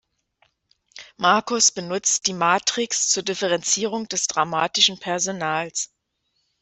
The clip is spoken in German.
Marcus benutzt die Matrix zur Differenzierung des dramatischen Personals.